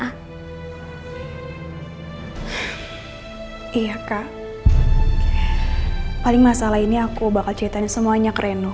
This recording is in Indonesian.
hai hai iya kak paling masalah ini aku bakal ceritain semuanya keren oh